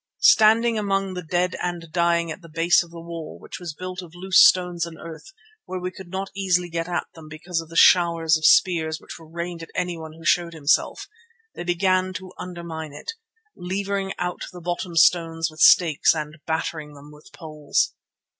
Standing among the dead and dying at the base of the wall, which was built of loose stones and earth, where we could not easily get at them because of the showers of spears which were rained at anyone who showed himself, they began to undermine it, levering out the bottom stones with stakes and battering them with poles.